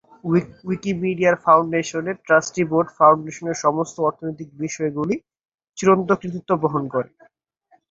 Wikimedia ফাউন্ডেশনের trustee board ফাউন্ডেশনের সমস্ত অর্থনৈতিক বিষয়গুলির চূড়ান্ত কর্তৃত্ব বহন করে।